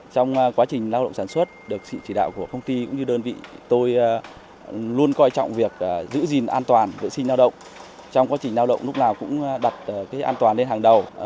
trong quá trình lao động lúc nào cũng đặt an toàn lên hàng đầu